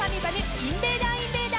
『インベーダーインベーダー』］